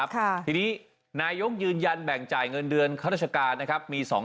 ทีนี้นายยกยืนยันแบ่งจ่ายเงินเดือนธรรมชาติคราชการ